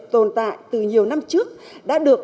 tồn tại từ nhiều năm trước đã được